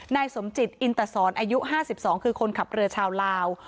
นายสมจิตอินตสอนอายุ๕๒คือคนขับเรือชาวลาว